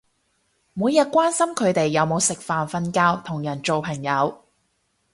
每日關心佢哋有冇食飯瞓覺同人做朋友